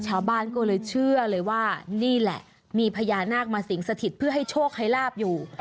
ชาวบ้านก็เลยเชื่อเลยว่านี่แหละมีพญานาคมาสิงสถิตเพื่อให้โชคให้ลาบอยู่